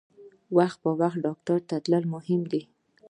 وخت په وخت ډاکټر ته تلل مهم دي.